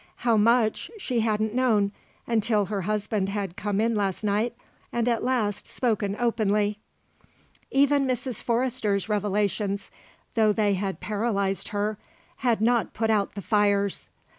how much, she hadn't known until her husband had come in last night, and, at last, spoken openly. Even Mrs. Forrester's revelations, though they had paralyzed her, had not put out the fires.